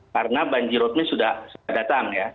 karena banjirotnya sudah datang ya